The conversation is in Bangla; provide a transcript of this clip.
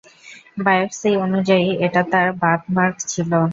বায়োপসি অনুযায়ী, এটা তার বার্থমার্ক ছিল।